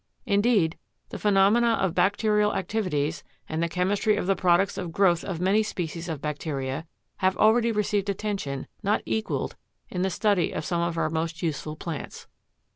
Indeed, the phenomena of bacterial activities and the chemistry of the products of growth of many species of bacteria have already received attention not equaled in the study of some of our most useful plants.